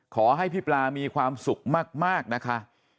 ขอให้พี่ปลามีความสุขมากนะคะ